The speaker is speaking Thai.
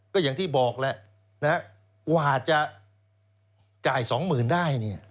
ก็อย่างที่บอกแล้วกว่าจะจ่าย๒๐๐๐๐ได้เนี่ย